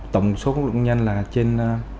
tổng số công nhân là trên